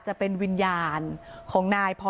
ชั่วโมงตอนพบศพ